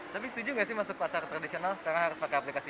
tapi setuju gak sih masuk pasar tradisional sekarang harus pakai aplikasi